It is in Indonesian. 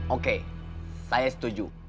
oke saya setuju